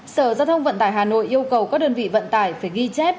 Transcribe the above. sở giao thông vận tải hà nội yêu cầu các đơn vị vận tải phải ghi chép